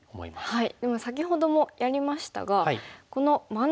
はい。